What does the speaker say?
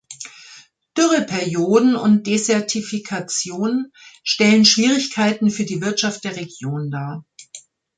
Dürreperioden und Desertifikation stellen Schwierigkeiten für die Wirtschaft der Region dar.